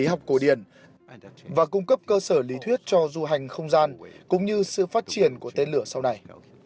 vật lý học cổ điển có thể giúp đỡ tất cả các hoạt động của vật tư vật lý học cổ điển và cung cấp cơ sở lý thuyết cho du hành không gian cũng như sự phát triển của tên lửa sau này